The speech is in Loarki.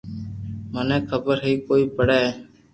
مني خبر ھي ڪوئي پڙي